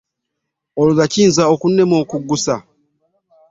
Kati olowooza kiyinza okunnema okuggusa?